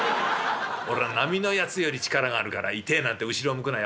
俺は並みのやつより力があるから痛えなんて後ろを向くなよ？